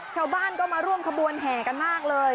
ชาวบ้านก็มาร่วมขบวนแห่กันมากเลย